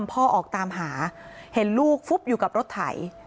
พ่อออกตามหาเห็นลูกฟุบอยู่กับรถไถ